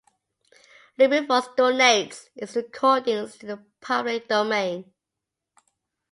Librivox donates its recordings to the public domain